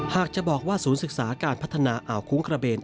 หากจะบอกว่าศูนย์ศึกษาการพัฒนาอ่าวคุ้งกระเบน